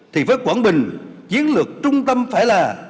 thì với quảng bình chiến lược trung tâm phải là